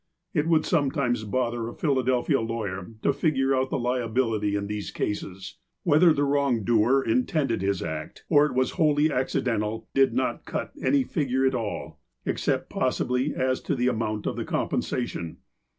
It would sometimes bother a Philadelphia lawyer to figure out the liability in these cases. Whether the wrong doer intended his act, or it was wholl.y accidental, did not cut any figure at all, except, possibly, as to the anion ut of the compensation.